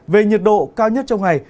về nhiệt độ cao nhất trong ngày